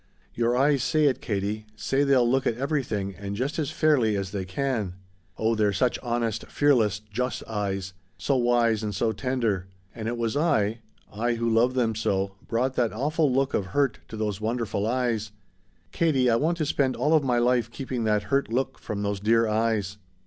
Your eyes say it, Katie say they'll look at everything, and just as fairly as they can. Oh they're such honest, fearless, just eyes so wise and so tender. And it was I I who love them so brought that awful look of hurt to those wonderful eyes. Katie I want to spend all of my life keeping that hurt look from those dear eyes!